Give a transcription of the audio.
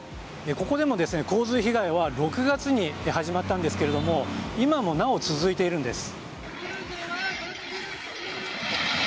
ここでも洪水被害は６月に始まったんですけども今もなお続いているんです。